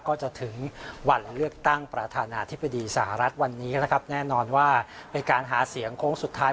ก็จะถึงวันเลือกตั้งประธานาธิบดีสหรัฐวันนี้นะครับแน่นอนว่าเป็นการหาเสียงโค้งสุดท้าย